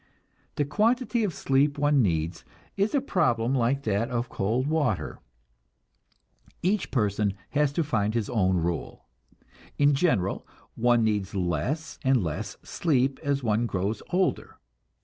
The quantity of sleep one needs is a problem like that of cold water; each person has to find his own rule. In general, one needs less and less sleep as one grows older.